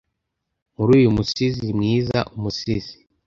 muri uyu musizi mwiza umusizi